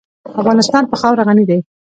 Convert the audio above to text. افغانستان په خاوره غني دی.